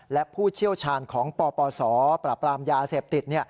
และผู้เชี่ยวชาญของปปศปราบรามยาเสพติด